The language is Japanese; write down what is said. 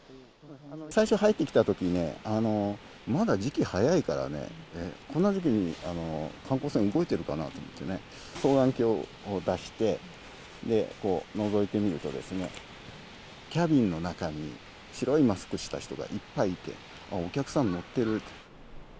最初、入ってきたときね、まだ時期が早いからね、こんな時期に観光船動いてるかなと思ってね、双眼鏡を出して、のぞいてみると、キャビンの中に、白いマスクした人がいっぱいいて、お客さん乗ってる。